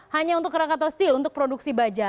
hanya untuk krakatoa steel untuk produksi baja